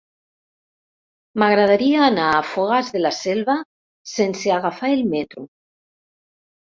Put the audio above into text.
M'agradaria anar a Fogars de la Selva sense agafar el metro.